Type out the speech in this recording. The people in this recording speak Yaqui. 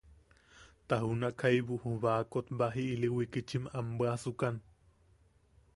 Ta junak jaibu ju baakot baji ili wikitchim am bwaʼasukan.